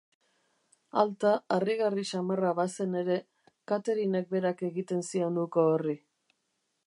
Alta, harrigarri samarra bazen ere, Katherinek berak egiten zion uko horri.